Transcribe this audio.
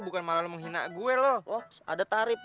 bukan malam menghina gue lo oh ada tarif